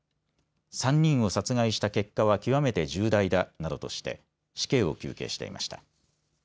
３人を殺害した結果は極めて重大だなどとして死刑を求刑していました。